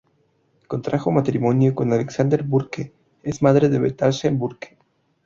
Contrajo matrimonio con Alexander Burke; es madre de Bethesda Burke.